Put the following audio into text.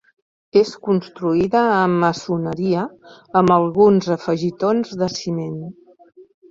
És construïda amb maçoneria amb alguns afegitons de ciment.